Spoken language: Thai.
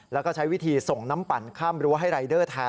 แล้วก็ใช้วิธีส่งน้ำปั่นข้ามรั้วให้รายเดอร์แทน